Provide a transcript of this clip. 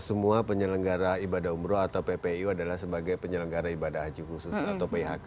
semua penyelenggara ibadah umroh atau ppu adalah sebagai penyelenggara ibadah haji khusus atau phk